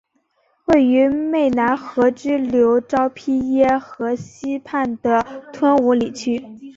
位于湄南河支流昭披耶河西畔的吞武里区。